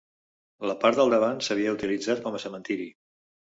La part del davant s'havia utilitzat com a cementiri.